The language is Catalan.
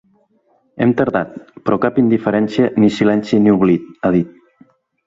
Hem tardat, però cap indiferència, ni silenci ni oblit, ha dit.